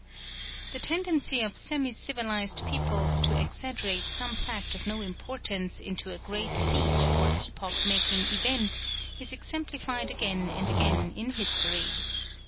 The tendency of semi civilised peoples to exaggerate some fact of no importance into a great feat or epoch making event is exemplified again and again in history.